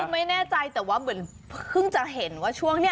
คือไม่แน่ใจแต่ว่าเหมือนเพิ่งจะเห็นว่าช่วงนี้